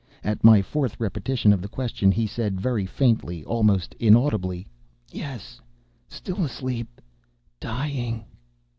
At my fourth repetition of the question, he said very faintly, almost inaudibly: "Yes; still asleep—dying."